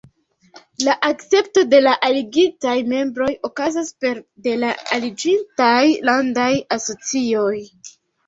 La akcepto de la aligitaj membroj okazas pere de la aliĝintaj landaj asocioj.